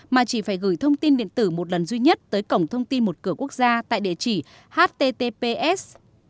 mà chỉ phải gửi thông tin điện tử một lần duy nhất tới cổng thông tin một cửa quốc gia tại địa chỉ https